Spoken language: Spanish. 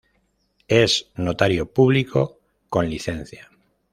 Es notario público con licencia.